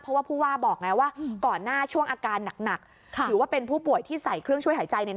เพราะว่าผู้ว่าบอกไงว่าก่อนหน้าช่วงอาการหนักถือว่าเป็นผู้ป่วยที่ใส่เครื่องช่วยหายใจเนี่ย